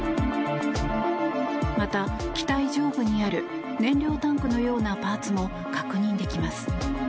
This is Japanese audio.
また、機体上部にある燃料タンクのようなパーツも確認できます。